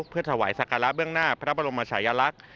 เพื่อถวายศักระเบื้องหน้าพระบรมชายลักษณ์